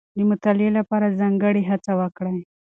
د مطالعې لپاره ځانګړې هڅه وکړئ.